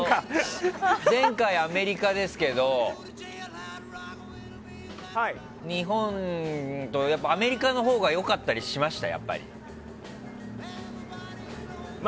前回アメリカですけどアメリカのほうが良かったりしました？